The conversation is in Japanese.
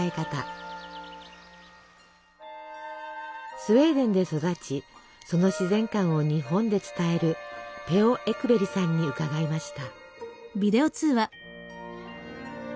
スウェーデンで育ちその自然観を日本で伝えるペオ・エクベリさんに伺いました。